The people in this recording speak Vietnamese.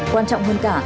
quan trọng hơn cả